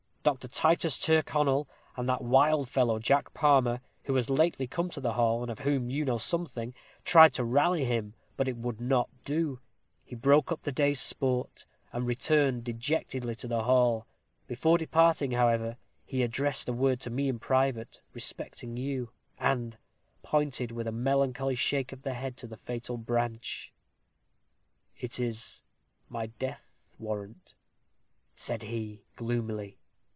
Dr. Titus Tyrconnel and that wild fellow Jack Palmer who has lately come to the hall, and of whom you know something tried to rally him. But it would not do. He broke up the day's sport, and returned dejectedly to the hall. Before departing, however, he addressed a word to me in private, respecting you; and pointed, with a melancholy shake of the head, to the fatal branch. 'It is my death warrant,' said he, gloomily.